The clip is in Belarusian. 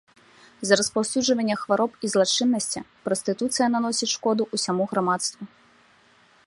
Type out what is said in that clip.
З-за распаўсюджвання хвароб і злачыннасці прастытуцыя наносіць шкоду ўсяму грамадству.